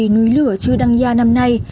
núi lửa chư đăng gia năm nay